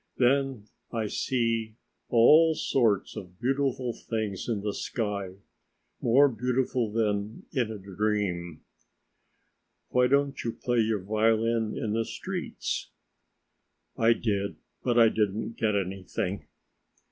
Then I see all sorts of beautiful things in the sky, more beautiful than in a dream." "Why don't you play your violin in the streets?" "I did, but I didn't get anything."